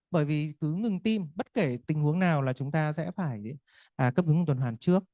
bởi vì cứ ngừng tim bất kể tình huống nào là chúng ta sẽ phải cấp ứng tuần hoàn trước